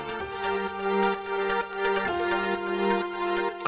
kepala kepala kepala